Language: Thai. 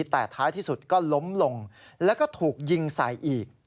แต่ท้ายที่สุดก็ล้มลงแล้วก็ถูกยิงใส่อีก